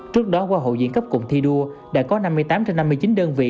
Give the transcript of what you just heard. trước đó hoa hậu diễn cấp cùng thi đua đã có năm mươi tám trên năm mươi chín đơn vị